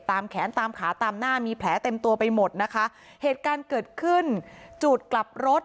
แขนตามขาตามหน้ามีแผลเต็มตัวไปหมดนะคะเหตุการณ์เกิดขึ้นจุดกลับรถ